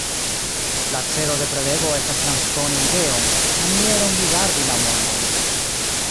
La celo de prelego estas transdoni ideon, manieron rigardi la mondon...